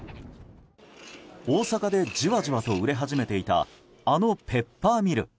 大阪でじわじわと売れ始めていたあのペッパーミル。